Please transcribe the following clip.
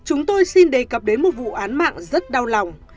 chúng tôi xin đề cập đến một vụ án mạng rất đau lòng